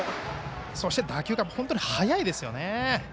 そして打球が本当に速いですよね。